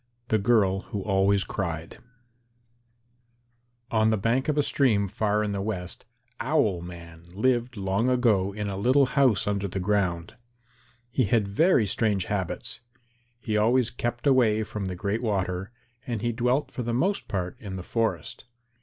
THE GIRL WHO ALWAYS CRIED On the bank of a stream far in the West, Owl man lived long ago in a little house under the ground. He had very strange habits. He always kept away from the Great Water and he dwelt for the most part in the forest.